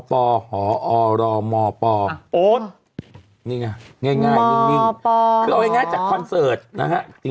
มอปอหออรอมมอปอโอ๊ตนี่ไงง่ายนิ่งคือเอาอย่างง่ายจากคอนเสิร์ตนะฮะ